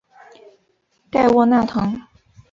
盖沃纳滕。